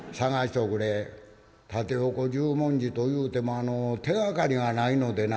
「縦横十文字と言うても手がかりがないのでな」。